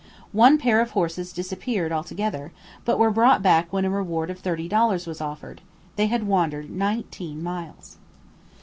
One pair of horses disappeared altogether; but were brought back when a reward of thirty dollars was offered; they had wandered nineteen miles.